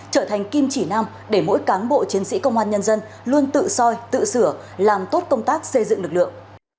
trở thành kim chỉ nam để mỗi cán bộ chiến sĩ công an nhân dân luôn tự soi tự sửa làm tốt công tác xây dựng lực lượng